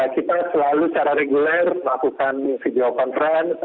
kita selalu secara reguler melakukan video conference